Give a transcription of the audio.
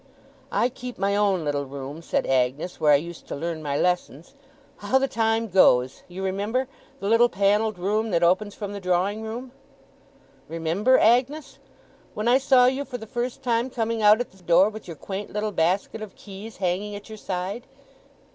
'I keep my own little room,' said Agnes, 'where I used to learn my lessons. How the time goes! You remember? The little panelled room that opens from the drawing room?' 'Remember, Agnes? When I saw you, for the first time, coming out at the door, with your quaint little basket of keys hanging at your side?